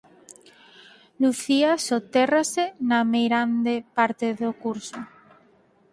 Lucía sotérrase na meirande parte do curso.